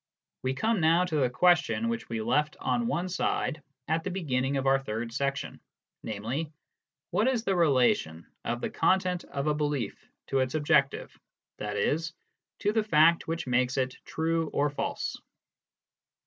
We come now to the question which we left on one side at the beginning of our third section, namely : What is the relation of the content of a belief to its " objective." i.e., to the fact which makes it true or false